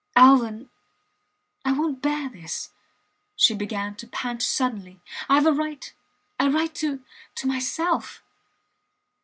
Alvan ... I wont bear this ... She began to pant suddenly, Ive a right a right to to myself